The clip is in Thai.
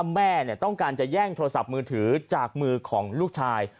แม่ต้องการจะแย่งโทรศัพท์มือถือจากมือของลูกชาย